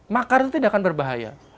makar itu tidak akan berbahaya